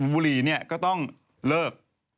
บุรีเนี่ยก็ต้องเลิก